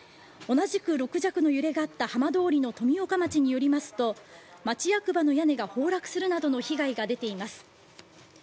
同じく６弱の揺れがあった浜通りの富岡町によりますと町役場の屋根が崩落するなどの被害が出ています。